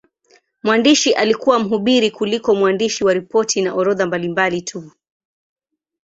Mwandishi alikuwa mhubiri kuliko mwandishi wa ripoti na orodha mbalimbali tu.